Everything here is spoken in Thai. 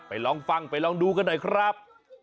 ลองฟังไปลองดูกันหน่อยครับ